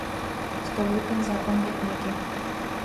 Столыпин закон лекмеке.